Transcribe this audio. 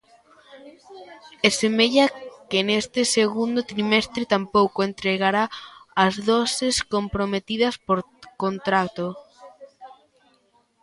E semella que neste segundo trimestre tampouco entregará as doses comprometidas por contrato.